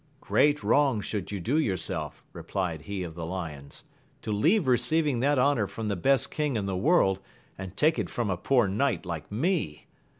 Great wrong should you do yourself, replied he of the lions, to leave receiving that honour from the best king in the world, and take it from a poor knight like me..